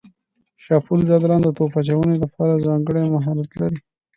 شاپور ځدراڼ د توپ اچونې لپاره ځانګړی مهارت لري.